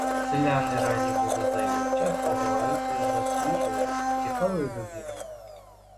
Селяни раді були зайвий час поговорити зо свіжою, цікавою людиною.